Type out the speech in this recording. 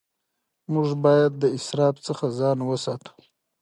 موږ باید د اسراف څخه ځان وساتو